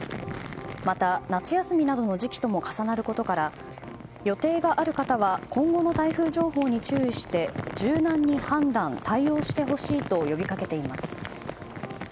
また、夏休みなどの時期とも重なることから予定がある方は今後の台風情報に注意して柔軟に判断・対応してほしいと呼び掛けています。